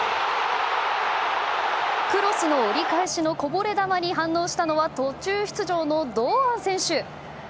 クロスの折り返しのこぼれ球に反応したのは途中出場の堂安選手。